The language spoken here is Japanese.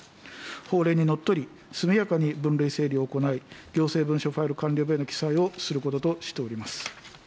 法令にのっとり、速やかに分類整理を行い、行政文書ファイル管理簿に記載をすることとしております。